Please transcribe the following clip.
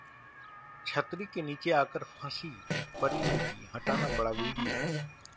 'छतरी के नीचे' आकर फंसीं परिणीति, हटाना पड़ा वीडियो